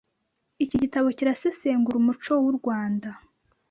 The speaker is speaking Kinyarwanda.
Iki gitabo kirasesengura umuco w’u Rwanda